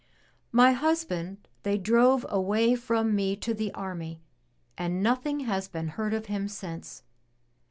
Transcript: *'My husband they drove away from me to the army and nothing has been heard of him since.